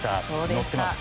乗ってます。